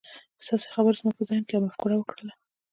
ستاسې خبرو زما په ذهن کې يوه مفکوره وکرله.